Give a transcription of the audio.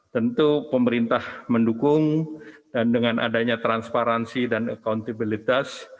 tentu pemerintah mendukung dan dengan adanya transparansi dan accountabilitas